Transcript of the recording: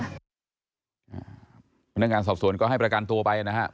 เพราะฉะนั้นการสอบส่วนก็ให้ประกันตัวไปนะครับ